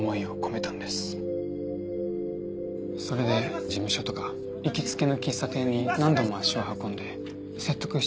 それで事務所とか行きつけの喫茶店に何度も足を運んで説得してたんです。